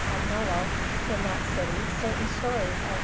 Agnolo in that city certain stories of S.